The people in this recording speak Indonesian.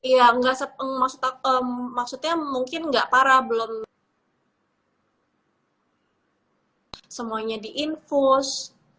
ya maksudnya mungkin nggak parah belum semuanya diinfus